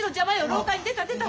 廊下に出た出た。